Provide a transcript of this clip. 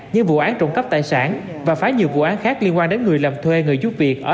như vụ án trộm cắp tài sản và phá nhiều vụ án khác liên quan đến người làm thuê người giúp việc ở